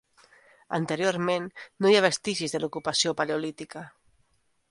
Anteriorment, no hi ha vestigis de l'ocupació paleolítica.